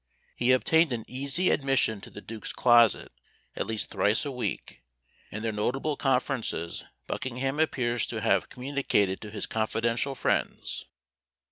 He obtained an easy admission to the duke's closet at least thrice a week, and their notable conferences Buckingham appears to have communicated to his confidential friends.